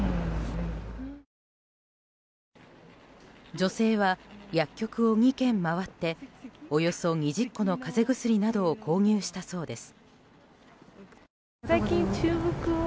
女性は薬局を２軒回っておよそ２０個の風邪薬などを購入したそうです。